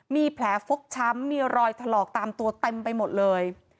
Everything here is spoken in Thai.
มีแผลฟกช้ำมีรอยถลอกตามตัวเต็มไปหมดเลย